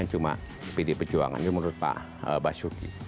cuma pdi pejuangan menurut pak basuki